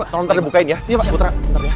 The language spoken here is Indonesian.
tolong ntar dibukain ya putra